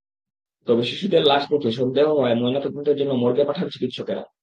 তবে শিশুদের লাশ দেখে সন্দেহ হওয়ায় ময়নাতদন্তের জন্য মর্গে পাঠান চিকিৎসকেরা।